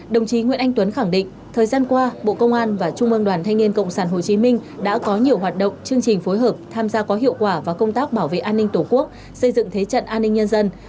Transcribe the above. đồng chí nguyễn anh tuấn khẳng định thời gian qua bộ công an và trung ương đoàn thanh niên cộng sản hồ chí minh đã có nhiều hoạt động chương trình phối hợp tham gia có hiệu quả vào công tác bảo vệ an ninh tổ quốc xây dựng thế trận an ninh nhân dân